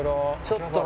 ちょっと。